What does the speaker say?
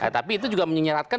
tapi itu juga menyeratkan